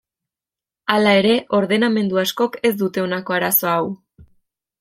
Hala ere ordenamendu askok ez dute honako arazo hau.